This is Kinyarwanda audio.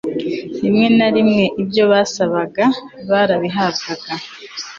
rimwe na rimwe ibyo basabaga barabihabwaga